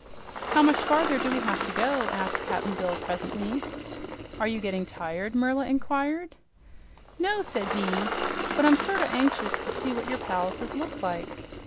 "How much farther do we have to go?" asked Cap'n Bill presently. "Are you getting tired?" Merla inquired. "No," said he, "but I'm sorter anxious to see what your palaces look like.